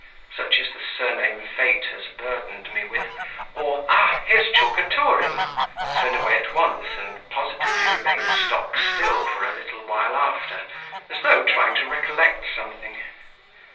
(such is the surname fate has burdened me with) or 'Ah! here's Tchulkaturin!' turn away at once and positively remain stockstill for a little while after, as though trying to recollect something.